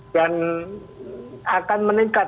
dan akan meningkat